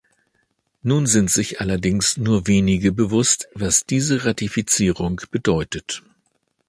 Nun sind sich allerdings nur wenige bewusst, was diese Ratifizierung bedeutet.